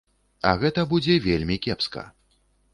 А гэта будзе вельмі кепска.